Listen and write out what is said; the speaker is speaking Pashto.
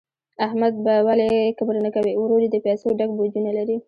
احمد به ولي کبر نه کوي، ورور یې د پیسو ډک بوجونه لري.